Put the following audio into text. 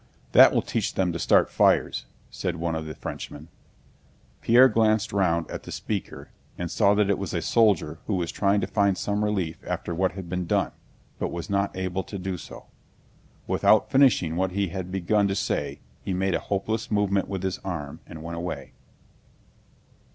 "That will teach them to start fires," said one of the Frenchmen. Pierre glanced round at the speaker and saw that it was a soldier who was trying to find some relief after what had been done, but was not able to do so. Without finishing what he had begun to say he made a hopeless movement with his arm and went away.